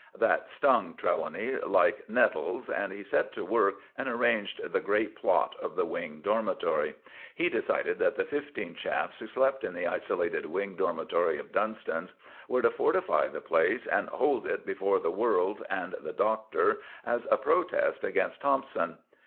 That stung Trelawny like nettles, and he set to work and arranged the great plot of the Wing Dormitory. He decided that the fifteen chaps who slept in the isolated Wing Dormitory of Dunston's were to fortify the place, and hold it before the world and the Doctor as a protest against Thompson.